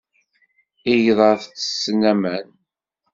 Igḍaḍ ttessen aman.